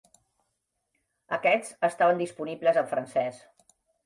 Aquests estaven disponibles en francès.